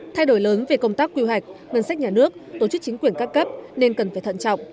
thay đổi lớn về công tác quy hoạch ngân sách nhà nước tổ chức chính quyền các cấp nên cần phải thận trọng